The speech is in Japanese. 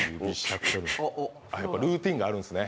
やっぱルーティンがあるんですね。